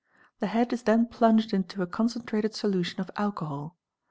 The head is then plunged into a concentrated solution of alcohol.